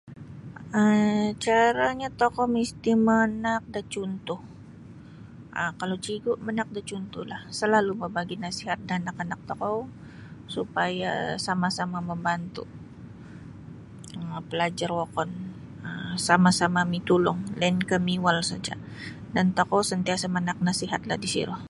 um caranyo tokou misti manaak da cuntuh um kalau cikgu manaak da cuntuhlah salalu' mabagi' nasihat da anak-anak tokou supaya sama-sama mambantu' um palajar wokon um sama-sama mitulung lainkah miyuwal saja' dan tokou santiasa'manaak nasihatlah disiro.